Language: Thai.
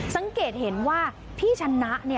สังเกตเห็นว่าพี่ชนะ